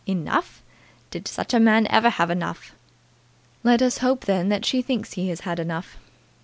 "Enough! Did such a man ever have enough?" "Let us hope, then, that she thinks he has had enough.